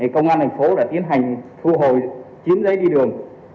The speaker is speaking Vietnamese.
công an tp hcm đã tiến hành thu hồi chín giấy đi đường